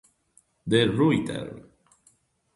De Ruyter